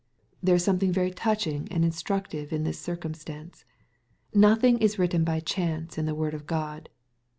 There is something very touching and instructive in this circumstance. Nothing is written by chance, in the word of Grod.